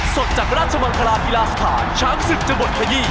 ส่วนจากราชมังพลาดกีฬาสถานช้างศึกจะหมดแค่นี้